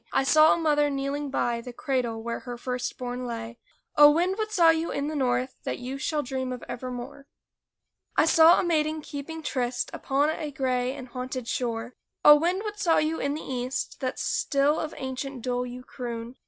I saw a mother kneeling by The cradle where her first born lay. O, wind! what saw you in the North That you shall dream of evermore? I saw a maiden keeping tryst Upon a gray and haunted shore. O, wind ! what saw you in the East That still of ancient dole you croon?